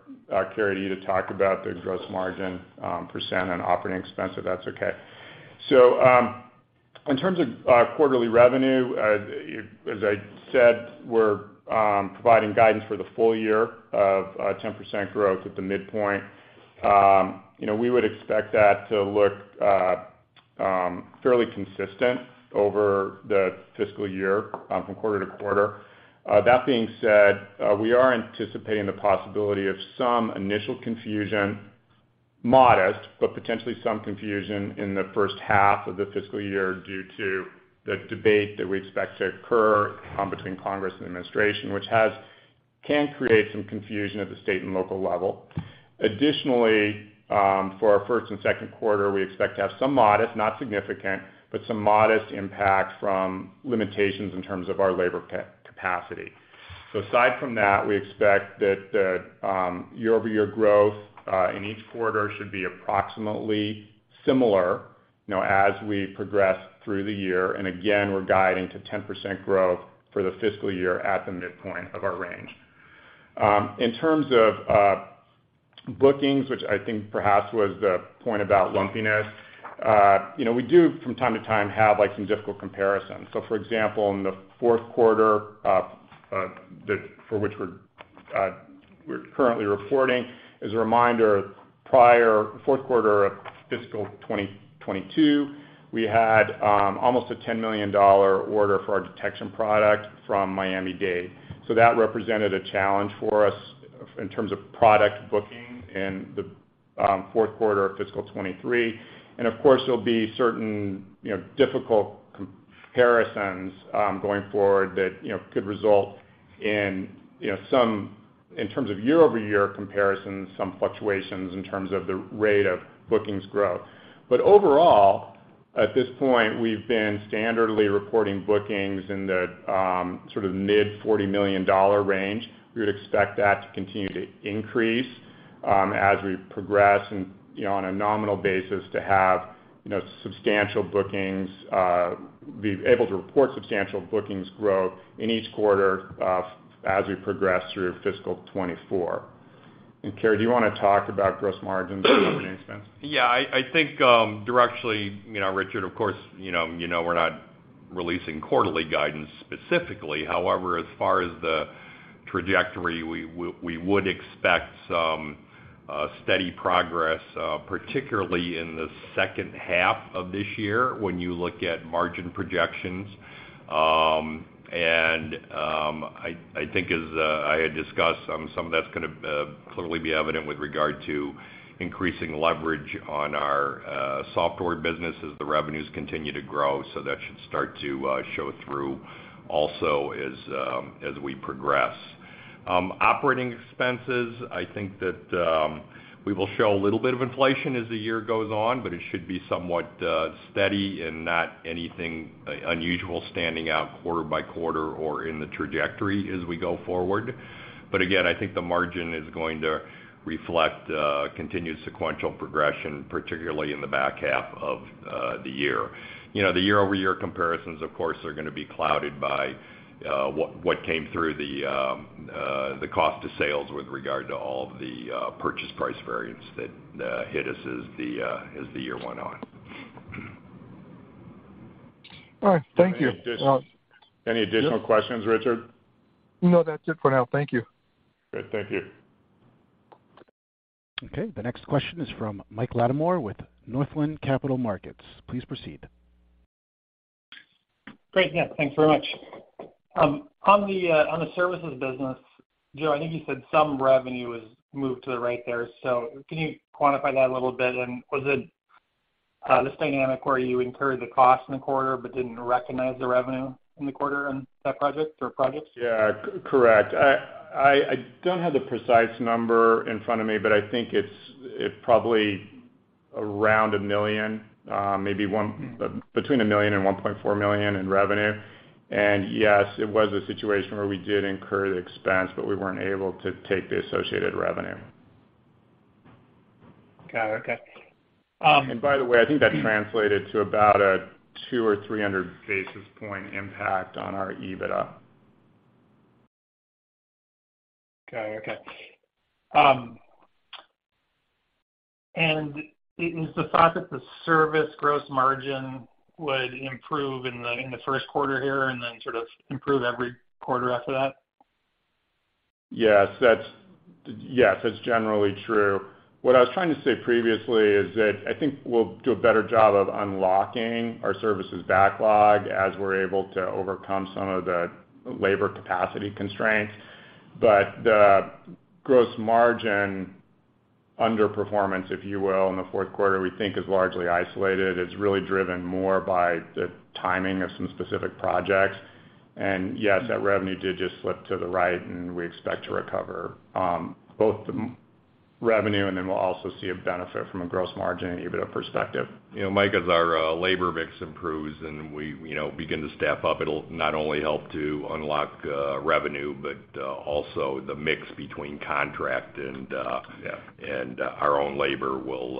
Kerry, to you to talk about the gross margin % and operating expense, if that's okay. In terms of quarterly revenue, as I said, we're providing guidance for the full year of 10% growth at the midpoint. You know, we would expect that to look fairly consistent over the fiscal year from quarter-to-quarter. That being said, we are anticipating the possibility of some initial confusion, modest, but potentially some confusion in the first half of the fiscal year due to the debate that we expect to occur between Congress and the Administration, which can create some confusion at the state and local level. Additionally, for our first and second quarter, we expect to have some modest, not significant, but some modest impact from limitations in terms of our labor capacity. Aside from that, we expect that the year-over-year growth in each quarter should be approximately similar, you know, as we progress through the year. Again, we're guiding to 10% growth for the fiscal year at the midpoint of our range. In terms of bookings, which I think perhaps was the point about lumpiness, you know, we do, from time to time, have, like, some difficult comparisons. For example, in the fourth quarter, for which we're currently reporting, as a reminder, prior fourth quarter of fiscal 2022, we had almost a $10 million order for our detection product from Miami-Dade. That represented a challenge for us in terms of product booking in the fourth quarter of fiscal 2023. Of course, there'll be certain, you know, difficult comparisons going forward that, you know, could result in, you know, some, in terms of year-over-year comparisons, some fluctuations in terms of the rate of bookings growth. Overall, at this point, we've been standardly reporting bookings in the sort of mid-$40 million range. We would expect that to continue to increase as we progress and, you know, on a nominal basis, to have, you know, substantial bookings be able to report substantial bookings growth in each quarter as we progress through fiscal 2024. Kerry, do you want to talk about gross margins and operating expense? I think, directly, you know, Richard, of course, you know, we're not releasing quarterly guidance specifically. However, as far as the trajectory, we would expect some steady progress, particularly in the second half of this year when you look at margin projections. I think as I had discussed, some of that's gonna clearly be evident with regard to increasing leverage on our software business as the revenues continue to grow. That should start to show through also as we progress. Operating expenses, I think that we will show a little bit of inflation as the year goes on, but it should be somewhat steady and not anything unusual standing out quarter by quarter or in the trajectory as we go forward. Again, I think the margin is going to reflect continued sequential progression, particularly in the back half of the year. You know, the year-over-year comparisons, of course, are gonna be clouded by what came through the cost of sales with regard to all of the purchase price variance that hit us as the year went on. All right, thank you. Any additional questions, Richard? No, that's it for now. Thank you. Great. Thank you. Okay. The next question is from Michael Latimore with Northland Capital Markets. Please proceed. Great, yeah, thanks very much. On the services business, Joe, I think you said some revenue was moved to the right there. Can you quantify that a little bit? Was it this dynamic where you incurred the cost in the quarter but didn't recognize the revenue in the quarter in that project or projects? Yeah, correct. I don't have the precise number in front of me, but I think it probably around $1 million, maybe between $1 million and $1.4 million in revenue. Yes, it was a situation where we did incur the expense, but we weren't able to take the associated revenue. Got it. Okay, By the way, I think that translated to about a 200 or 300 basis point impact on our EBITDA. Okay, okay. Is the thought that the service gross margin would improve in the first quarter here and then sort of improve every quarter after that? Yes, that's generally true. What I was trying to say previously is that I think we'll do a better job of unlocking our services backlog as we're able to overcome some of the labor capacity constraints. The gross margin underperformance, if you will, in the fourth quarter, we think is largely isolated. It's really driven more by the timing of some specific projects. Yes, that revenue did just slip to the right, and we expect to recover, both the revenue, and then we'll also see a benefit from a gross margin and EBITDA perspective. You know, Mike, as our labor mix improves and we, you know, begin to staff up, it'll not only help to unlock revenue, but also the mix between contract and... Yeah Our own labor will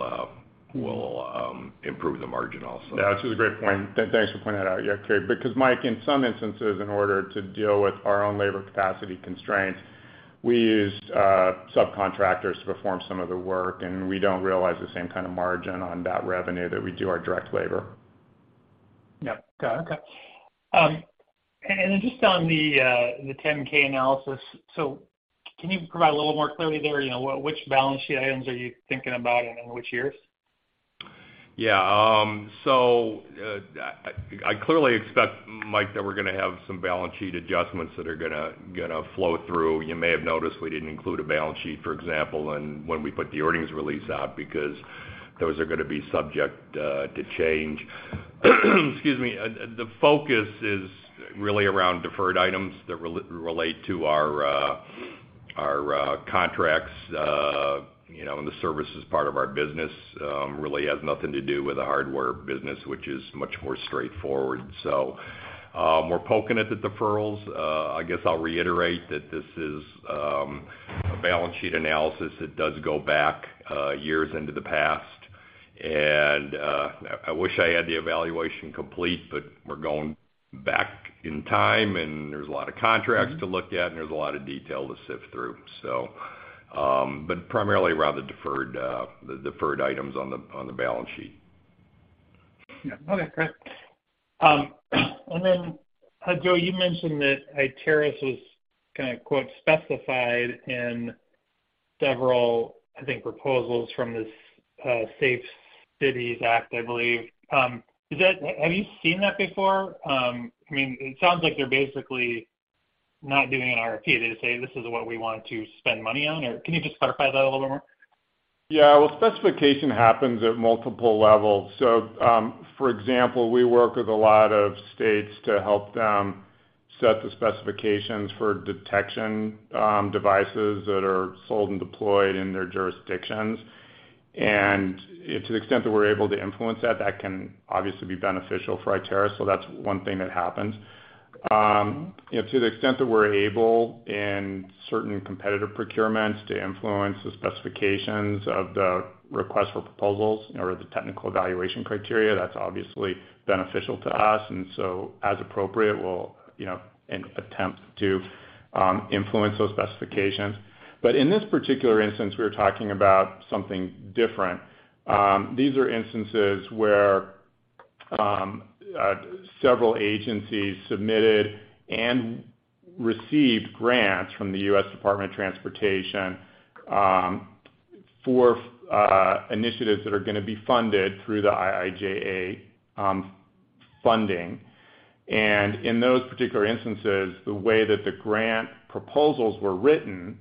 improve the margin also. Yeah, it's a great point, and thanks for pointing that out. Because Mike, in some instances, in order to deal with our own labor capacity constraints, we used subcontractors to perform some of the work, and we don't realize the same kind of margin on that revenue that we do our direct labor. Yeah. Got it. Okay. Just on the 10-K analysis, can you provide a little more clarity there? You know, which balance sheet items are you thinking about and in which years? I clearly expect, Mike, that we're gonna have some balance sheet adjustments that are gonna flow through. You may have noticed we didn't include a balance sheet, for example, and when we put the earnings release out, because those are gonna be subject to change. Excuse me. The focus is really around deferred items that relate to our contracts, you know, and the services part of our business, really has nothing to do with the hardware business, which is much more straightforward. We're poking at the deferrals. I guess I'll reiterate that this is a balance sheet analysis that does go back years into the past. I wish I had the evaluation complete, but we're going back in time, and there's a lot of contracts to look at, and there's a lot of detail to sift through. But primarily around the deferred, the deferred items on the, on the balance sheet. Yeah. Okay, great. Joe, you mentioned that Iteris was kinda, quote, "specified" in several, I think, proposals from this, Safe Cities Act, I believe. Is that... Have you seen that before? I mean, it sounds like they're basically not doing an RFP. They just say, "This is what we want to spend money on." Can you just clarify that a little bit more? Yeah. Well, specification happens at multiple levels. For example, we work with a lot of states to help them set the specifications for detection devices that are sold and deployed in their jurisdictions. To the extent that we're able to influence that can obviously be beneficial for Iteris, that's one thing that happens. You know, to the extent that we're able, in certain competitive procurements, to influence the specifications of the request for proposals or the technical evaluation criteria, that's obviously beneficial to us, and as appropriate, we'll, you know, and attempt to influence those specifications. In this particular instance, we were talking about something different. These are instances where several agencies submitted and received grants from the U.S. Department of Transportation for initiatives that are gonna be funded through the IIJA funding. In those particular instances, the way that the grant proposals were written,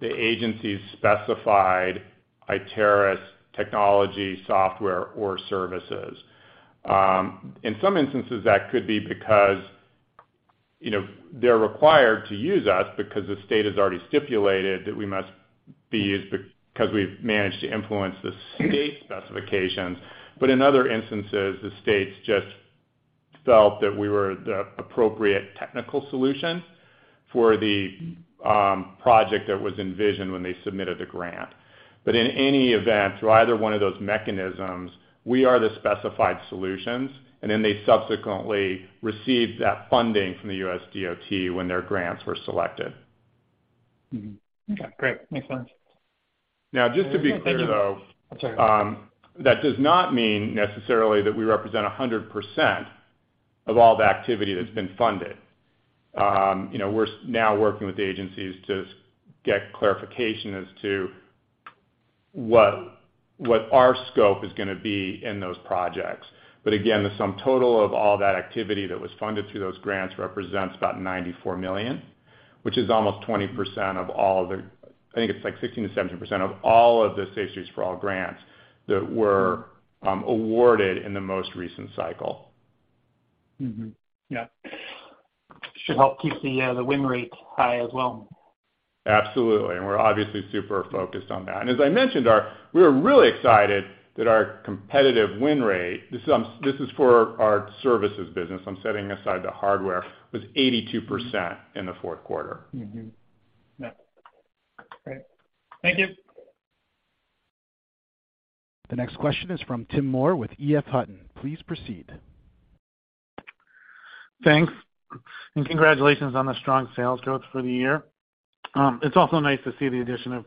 the agencies specified Iteris technology, software, or services. In some instances, that could be because, you know, they're required to use us because the state has already stipulated that we must be used 'cause we've managed to influence the state specifications. In other instances, the states just felt that we were the appropriate technical solution for the project that was envisioned when they submitted the grant. In any event, through either one of those mechanisms, we are the specified solutions, and then they subsequently received that funding from the USDOT when their grants were selected. Mm-hmm. Okay, great. Makes sense. Now, just to be clear, though. I'm sorry. That does not mean necessarily that we represent 100% of all the activity that's been funded. You know, we're now working with agencies to get clarification as to what our scope is gonna be in those projects. The sum total of all that activity that was funded through those grants represents about $94 million, which is almost 20% of all the. I think it's like 16%-17% of all of the Safe Streets and Roads for All grants that were awarded in the most recent cycle. Mm-hmm. Yeah. Should help keep the win rate high as well. Absolutely, we're obviously super focused on that. As I mentioned, we were really excited that our competitive win rate, this is for our services business, I'm setting aside the hardware, was 82% in the fourth quarter. Yeah. Great. Thank you. The next question is from Tim Moore with EF Hutton. Please proceed. Thanks. Congratulations on the strong sales growth for the year. It's also nice to see the addition of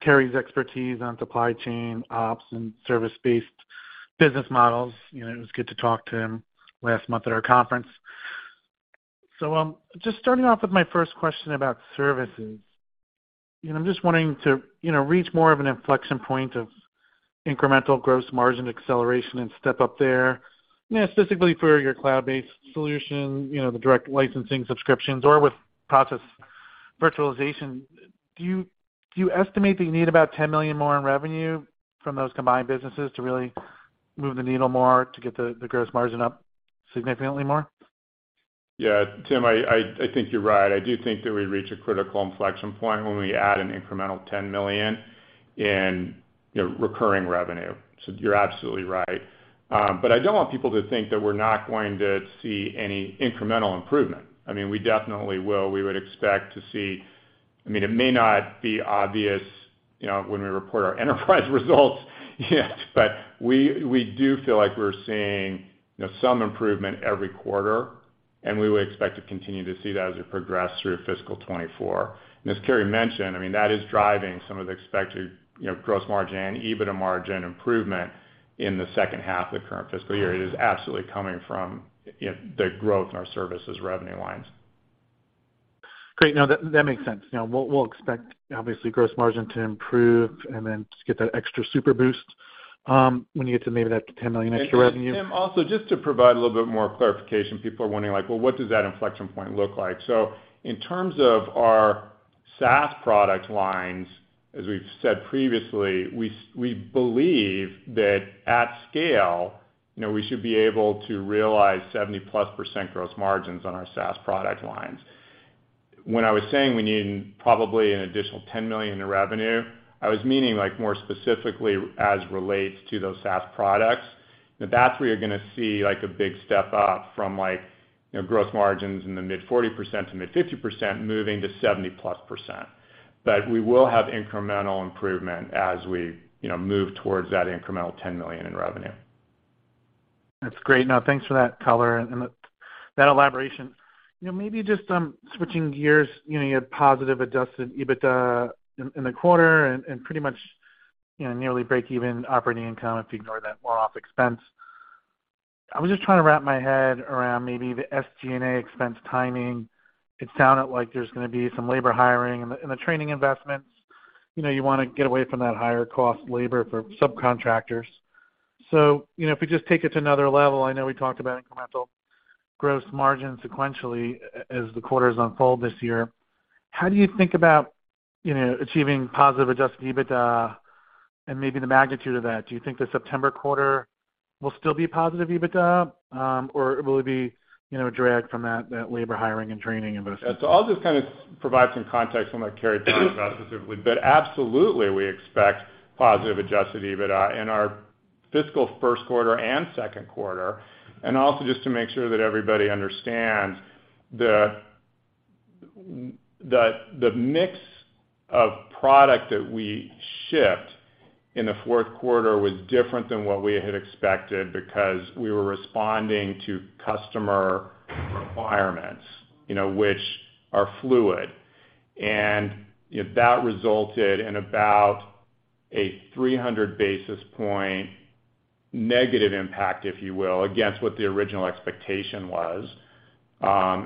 Kerry's expertise on supply chain, ops, and service-based business models. You know, it was good to talk to him last month at our conference. Just starting off with my first question about services, you know, I'm just wanting to, you know, reach more of an inflection point of incremental gross margin acceleration and step up there, you know, specifically for your cloud-based solution, you know, the direct licensing subscriptions, or with process virtualization. Do you estimate that you need about $10 million more in revenue from those combined businesses to really move the needle more, to get the gross margin up significantly more? Yeah, Tim, I think you're right. I do think that we reach a critical inflection point when we add an incremental $10 million in, you know, recurring revenue. You're absolutely right. I don't want people to think that we're not going to see any incremental improvement. I mean, we definitely will. We would expect to see. I mean, it may not be obvious, you know, when we report our enterprise results yet, but we do feel like we're seeing, you know, some improvement every quarter, and we would expect to continue to see that as we progress through fiscal 24. As Kerry mentioned, I mean, that is driving some of the expected, you know, gross margin and EBITDA margin improvement in the second half of the current fiscal year. It is absolutely coming from, you know, the growth in our services revenue lines. Great. No, that makes sense. We'll expect, obviously, gross margin to improve and then get that extra super boost, when you get to maybe that $10 million extra revenue. Tim, also, just to provide a little bit more clarification, people are wondering like, "Well, what does that inflection point look like?" In terms of our SaaS product lines, as we've said previously, we believe that at scale, you know, we should be able to realize 70+% gross margins on our SaaS product lines. When I was saying we need probably an additional $10 million in revenue, I was meaning, like, more specifically as relates to those SaaS products. That's where you're gonna see, like, a big step up from like, you know, growth margins in the mid 40%-mid 50%, moving to 70+%. We will have incremental improvement as we, you know, move towards that incremental $10 million in revenue. That's great. Now, thanks for that color and that elaboration. You know, maybe just switching gears, you know, you had positive adjusted EBITDA in the quarter and pretty much, you know, nearly break even operating income if you ignore that one-off expense. I was just trying to wrap my head around maybe the SG&A expense timing. It sounded like there's gonna be some labor hiring and the training investments. You know, you wanna get away from that higher cost labor for subcontractors. If we just take it to another level, I know we talked about incremental gross margin sequentially as the quarters unfold this year. How do you think about, you know, achieving positive adjusted EBITDA and maybe the magnitude of that? Do you think the September quarter will still be positive EBITDA, or will it be, you know, a drag from that labor hiring and training investment? I'll just kind of provide some context on what Kerry talked about specifically. Absolutely, we expect positive adjusted EBITDA in our fiscal first quarter and second quarter. Also, just to make sure that everybody understands, the mix of product that we shipped in the fourth quarter was different than what we had expected, because we were responding to customer requirements, you know, which are fluid. You know, that resulted in a 300 basis point negative impact, if you will, against what the original expectation was,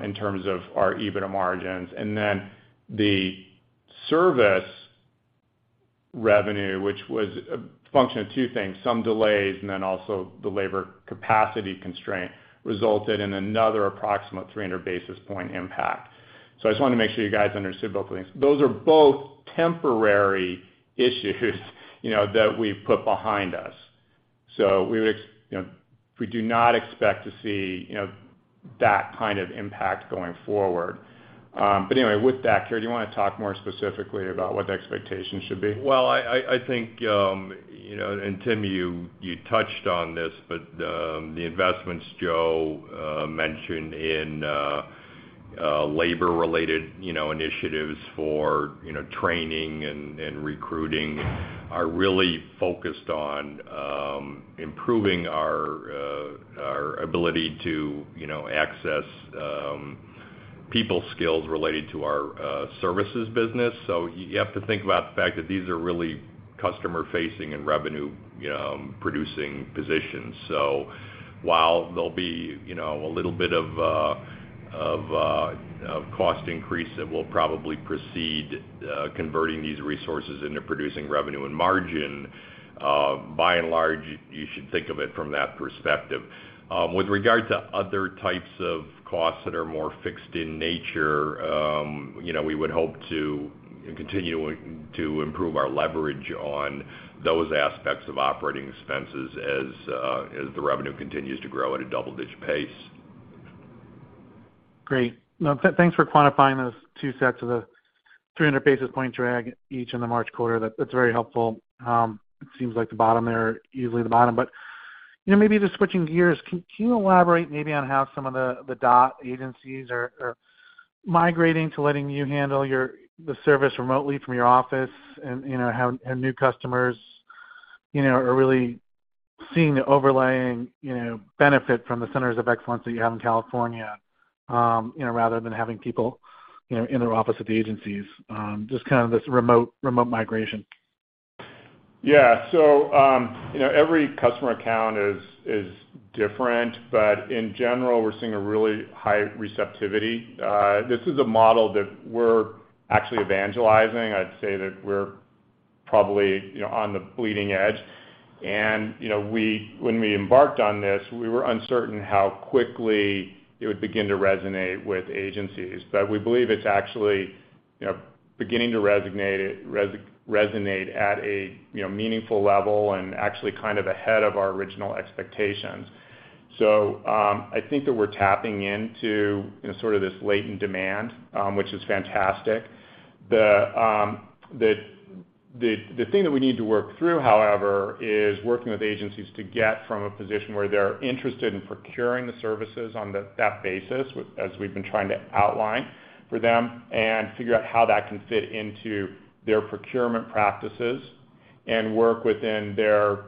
in terms of our EBITDA margins. Then the service revenue, which was a function of two things, some delays, and then also the labor capacity constraint, resulted in another approximate 300 basis point impact. I just wanted to make sure you guys understood both of these. Those are both temporary issues, you know, that we've put behind us. We do not expect to see, you know, that kind of impact going forward. Anyway, with that, Kerry, do you want to talk more specifically about what the expectations should be? I think, you know, Tim, you touched on this, the investments Joe mentioned in labor-related, you know, initiatives for, you know, training and recruiting are really focused on improving our ability to, you know, access people skills related to our services business. You have to think about the fact that these are really customer-facing and revenue, you know, producing positions. While there'll be, you know, a little bit of cost increase that will probably proceed converting these resources into producing revenue and margin, by and large, you should think of it from that perspective. With regard to other types of costs that are more fixed in nature, you know, we would hope to continue to improve our leverage on those aspects of operating expenses as the revenue continues to grow at a double-digit pace. Great. Now, thanks for quantifying those two sets of the 300 basis point drag each in the March quarter. That's very helpful. It seems like the bottom there, easily the bottom. You know, maybe just switching gears, can you elaborate maybe on how some of the DOT agencies are migrating to letting you handle the service remotely from your office, and, you know, how, and new customers, you know, are really seeing the overlaying, you know, benefit from the centers of excellence that you have in California, you know, rather than having people, you know, in their office at the agencies, just kind of this remote migration? Yeah. You know, every customer account is different, but in general, we're seeing a really high receptivity. This is a model that we're actually evangelizing. I'd say that we're probably, you know, on the bleeding edge. You know, when we embarked on this, we were uncertain how quickly it would begin to resonate with agencies. We believe it's actually, you know, beginning to resonate at a, you know, meaningful level and actually kind of ahead of our original expectations. I think that we're tapping into, you know, sort of this latent demand, which is fantastic. The thing that we need to work through, however, is working with agencies to get from a position where they're interested in procuring the services on that basis, as we've been trying to outline for them, and figure out how that can fit into their procurement practices and work within their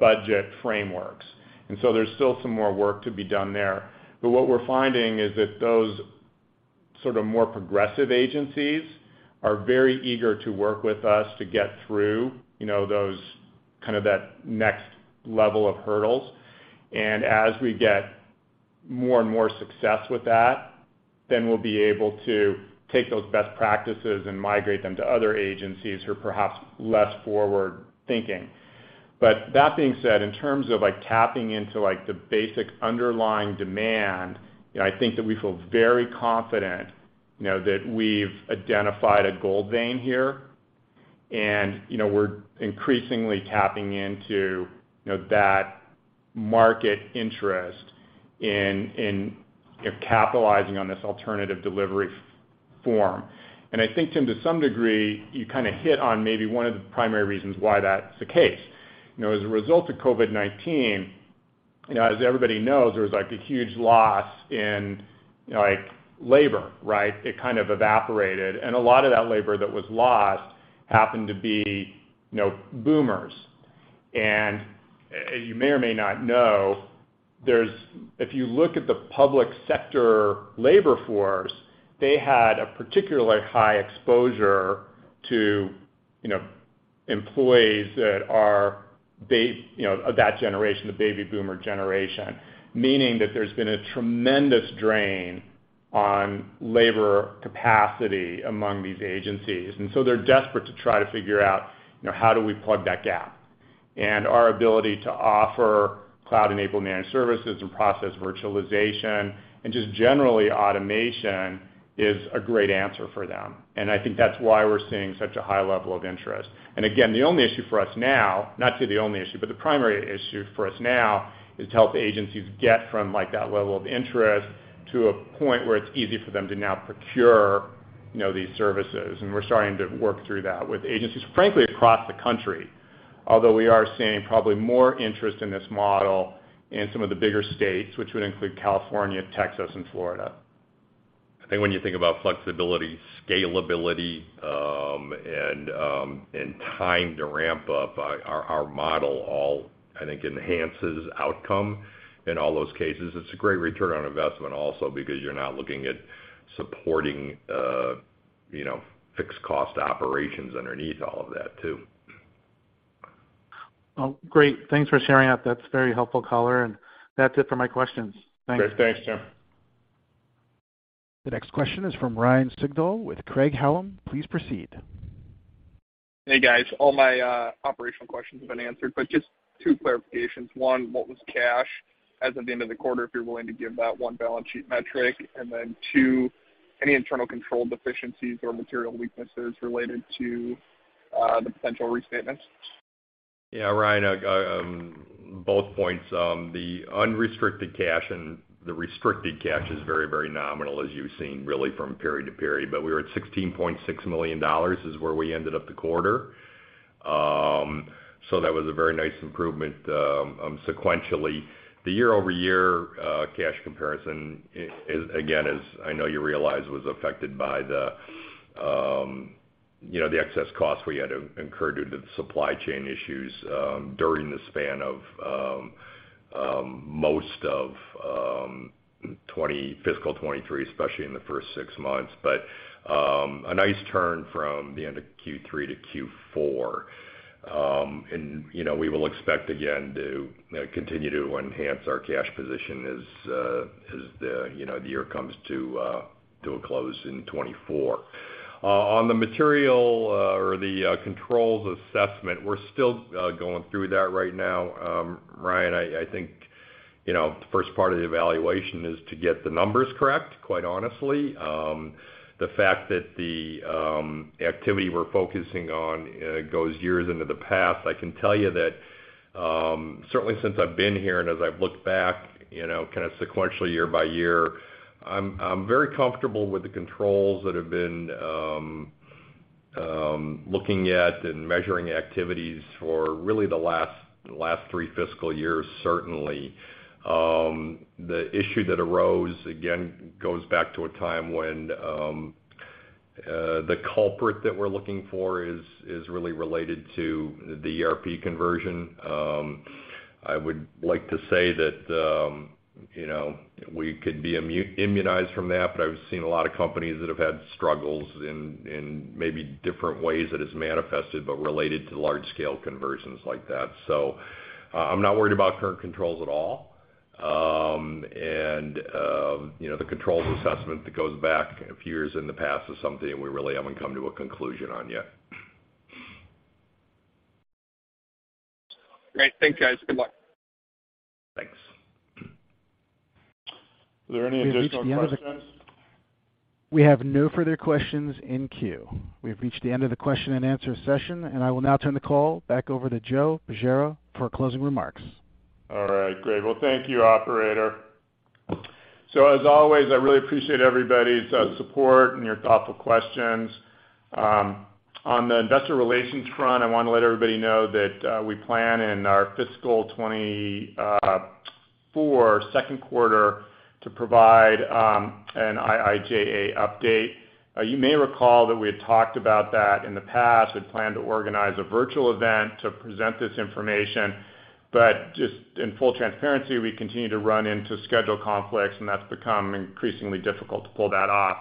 budget frameworks. There's still some more work to be done there. What we're finding is that those sort of more progressive agencies are very eager to work with us to get through, you know, those kind of that next level of hurdles. As we get more and more success with that, then we'll be able to take those best practices and migrate them to other agencies who are perhaps less forward-thinking. That being said, in terms of, like, tapping into, like, the basic underlying demand, you know, I think that we feel very confident, you know, that we've identified a gold vein here, and, you know, we're increasingly tapping into, you know, that market interest in capitalizing on this alternative delivery form. I think, Tim, to some degree, you kind of hit on maybe one of the primary reasons why that's the case. You know, as a result of COVID-19, you know, as everybody knows, there was, like, a huge loss in, like, labor, right? It kind of evaporated, and a lot of that labor that was lost happened to be, you know, boomers. You may or may not know, if you look at the public sector labor force, they had a particularly high exposure to, you know, employees that are, you know, of that generation, the baby boomer generation. Meaning that there's been a tremendous drain on labor capacity among these agencies. They're desperate to try to figure out, you know, how do we plug that gap? Our ability to offer cloud-enabled managed services and process virtualization, and just generally, automation, is a great answer for them. I think that's why we're seeing such a high level of interest. Again, the only issue for us now, not to say the only issue, but the primary issue for us now, is to help agencies get from, like, that level of interest to a point where it's easy for them to now procure, you know, these services. We're starting to work through that with agencies, frankly, across the country, although we are seeing probably more interest in this model in some of the bigger states, which would include California, Texas, and Florida. I think when you think about flexibility, scalability, and time to ramp up, our model all, I think, enhances outcome in all those cases. It's a great return on investment also because you're not looking at supporting, you know, fixed cost operations underneath all of that, too. Well, great. Thanks for sharing that. That's very helpful color, and that's it for my questions. Thanks. Great. Thanks, Tim. The next question is from Ryan Sigdahl with Craig-Hallum. Please proceed. Hey, guys. All my operational questions have been answered. Just two clarifications. One, what was cash as of the end of the quarter, if you're willing to give that one balance sheet metric? Two, any internal control deficiencies or material weaknesses related to the potential restatements? Both points, the unrestricted cash and the restricted cash is very, very nominal, as you've seen really from period to period. We were at $16.6 million, is where we ended up the quarter. That was a very nice improvement sequentially. The year-over-year cash comparison, again, as I know you realize, was affected by the, you know, the excess costs we had to incur due to the supply chain issues during the span of most of fiscal 2023, especially in the first six months. A nice turn from the end of Q3 to Q4. You know, we will expect again to continue to enhance our cash position as the, you know, the year comes to a close in 2024. On the material, or the controls assessment, we're still going through that right now. Ryan, I think, you know, the first part of the evaluation is to get the numbers correct, quite honestly. The fact that the activity we're focusing on goes years into the past, I can tell you that certainly since I've been here, and as I've looked back, you know, kinda sequentially, year-by-year, I'm very comfortable with the controls that have been looking at and measuring activities for really the last 3 fiscal years, certainly. The issue that arose, again, goes back to a time when the culprit that we're looking for is really related to the ERP conversion. I would like to say that, you know, we could be immunized from that, but I've seen a lot of companies that have had struggles in maybe different ways that it's manifested, but related to large-scale conversions like that. I'm not worried about current controls at all. You know, the controls assessment that goes back a few years in the past is something we really haven't come to a conclusion on yet. Great. Thanks, guys. Good luck. Thanks. Are there any additional questions? We have no further questions in queue. We've reached the end of the Q&A session. I will now turn the call back over to Joe Bergera for closing remarks. All right, great. Well, thank you, operator. As always, I really appreciate everybody's support and your thoughtful questions. On the investor relations front, I want to let everybody know that we plan, in our fiscal 2024 second quarter, to provide an IIJA update. You may recall that we had talked about that in the past and planned to organize a virtual event to present this information, just in full transparency, we continue to run into schedule conflicts, and that's become increasingly difficult to pull that off.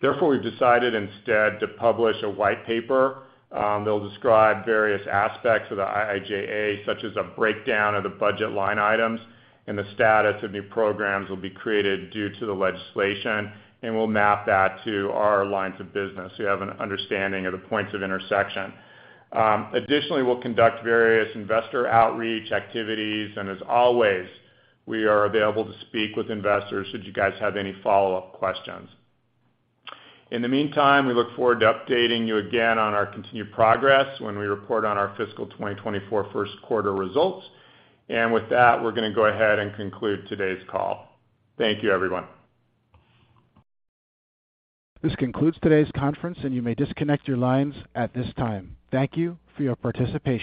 Therefore, we've decided instead to publish a white paper. That'll describe various aspects of the IIJA, such as a breakdown of the budget line items and the status of new programs that will be created due to the legislation, and we'll map that to our lines of business. We have an understanding of the points of intersection. Additionally, we'll conduct various investor outreach activities, and as always, we are available to speak with investors should you guys have any follow-up questions. In the meantime, we look forward to updating you again on our continued progress when we report on our fiscal 2024 first quarter results. With that, we're gonna go ahead and conclude today's call. Thank you, everyone. This concludes today's conference, and you may disconnect your lines at this time. Thank you for your participation.